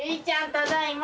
ただいま。